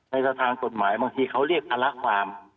ในทางกฎหมายบางทีเขาเรียกภาระความ